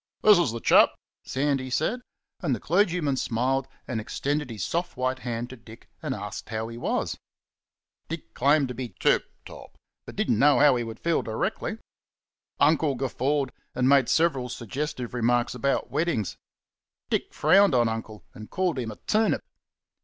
"This is the chap!" Sandy said, and the clergyman smiled and extended his soft white hand to Dick and asked how he was. Dick claimed to be "tip top," but didn't know how he would feel directly. Uncle guffawed and made several suggestive remarks about weddings. Dick frowned on Uncle and called him a turnip.